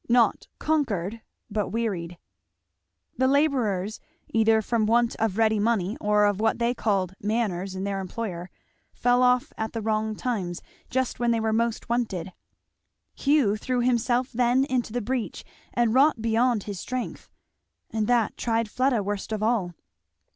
not conquered, but wearied. The labourers, either from want of ready money or of what they called "manners" in their employer, fell off at the wrong times, just when they were most wanted. Hugh threw himself then into the breach and wrought beyond his strength; and that tried Fleda worst of all.